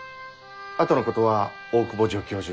あとのことは大窪助教授